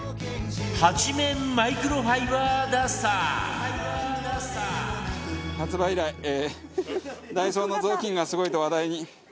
８面マイクロファイバーダスター発売以来ダイソーの雑巾がすごいと話題に。